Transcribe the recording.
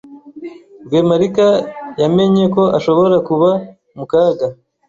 Rwemarika yamenye ko ashobora kuba mu kaga.